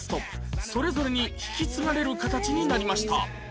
それぞれに引き継がれる形になりました